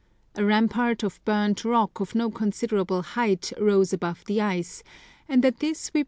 A rampart of burnt rock of no considerable height rose above the ice, and at this we.